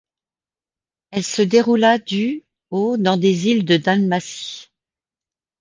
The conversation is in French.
Elle se déroula du au dans des îles de Dalmatie.